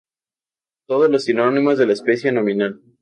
Todos son sinónimos de la especie nominal.